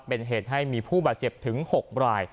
เป็นเหตุให้มีผู้บาดเจ็บถึง๖ราย